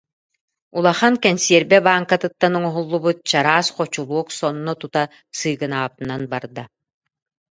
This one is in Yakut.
Улахан кэнсиэрбэ бааҥкатыттан оҥоһуллубут чараас хочулуок сонно тута сыыгынаабытынан барда